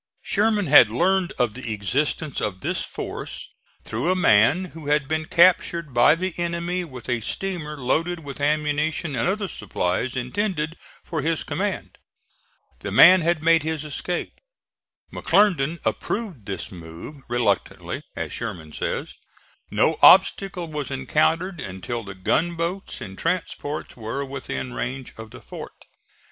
Sherman had learned of the existence of this force through a man who had been captured by the enemy with a steamer loaded with ammunition and other supplies intended for his command. The man had made his escape. McClernand approved this move reluctantly, as Sherman says. No obstacle was encountered until the gunboats and transports were within range of the fort.